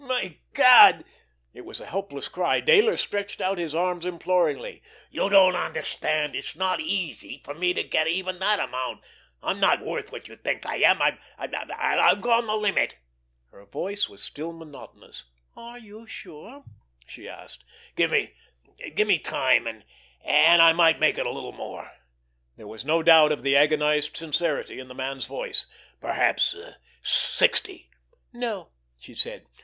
"My God!" It was a helpless cry. Dayler stretched out his arms imploringly. "You don't understand! It's not easy for me to get even that amount. I'm not worth what you think I am. I—I've gone the limit." Her voice was still monotonous. "Are you sure?" she asked. "Give me—give me time, and—and I might make it a little more." There was no doubt of the agonized sincerity in the man's voice. "Perhaps—sixty." "No!" she said.